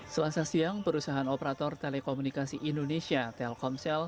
selasa siang perusahaan operator telekomunikasi indonesia telkomsel